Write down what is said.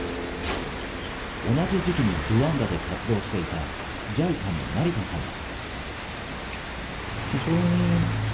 同じ時期にルワンダで活動していたＪＩＣＡの成田さんは。